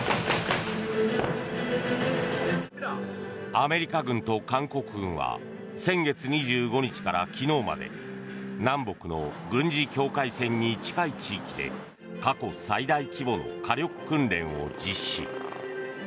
アメリカ軍と韓国軍は先月２５日から昨日まで南北の軍事境界線に近い地域で過去最大規模の火力訓練を実施。